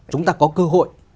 chúng ta có cơ hội